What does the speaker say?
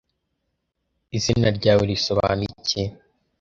Izina ryawe risobanuye iki